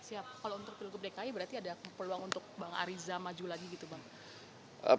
siap kalau untuk pilgub dki berarti ada peluang untuk bang ariza maju lagi gitu bang